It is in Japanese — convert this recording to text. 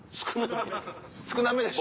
少なめでしょ？